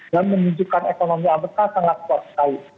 dan menunjukkan ekonomi abk sangat kuat sekali